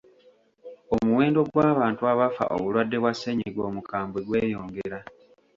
Omuwendo gw'abantu abafa obulwadde bwa ssennyiga omukambwe gweyongera.